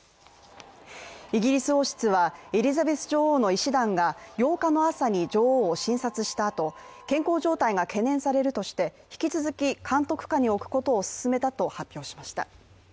イギリス王室は、エリザベス女王の医師団が８日の朝に女王を診察したあと健康状態が懸念されるとして引き続き監督下に置くことを勧めたと発表しました。